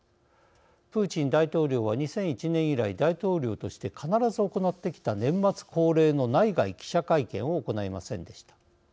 プーチン大統領は２００１年以来大統領として必ず行ってきた年末恒例の内外記者会見を行いませんでした。